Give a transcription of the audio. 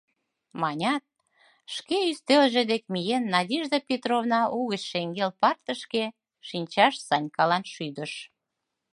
— манят, шке ӱстелже дек миен, Надежда Петровна угыч шеҥгел партышке шинчаш Санькалан шӱдыш.